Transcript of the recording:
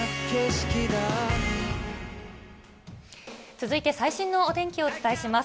続いて最新のお天気をお伝えします。